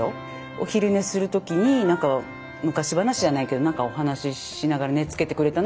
お昼寝する時になんか昔話じゃないけどなんかお話ししながら寝つけてくれたなとかあるんで。